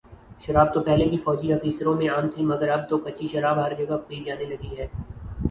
شراب تو پہلے بھی فوجی آفیسروں میں عام تھی مگر اب تو کچی شراب ہر جگہ پی جانے لگی ہے